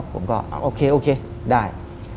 ผมก็โอเคโอเคได้